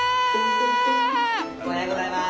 おはようございます。